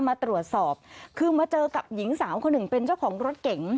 มาตรวจสอบคือมาเจอกับหญิงสาวคนหนึ่งเป็นเจ้าของรถเก๋ง